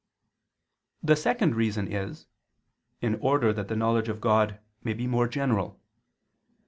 The second reason is, in order that the knowledge of God may be more general.